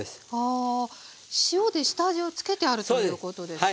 ああ塩で下味をつけてあるということですね。